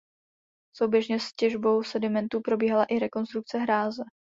Souběžně s těžbou sedimentů probíhala i rekonstrukce hráze.